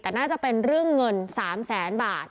แต่น่าจะเป็นเรื่องเงิน๓แสนบาท